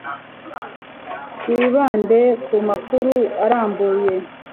Wibande ku makuru arambuye